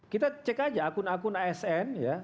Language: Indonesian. kita cek aja akun akun asn ya